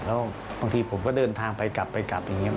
แล้วบางทีผมก็เดินทางไปกลับไปกลับอย่างนี้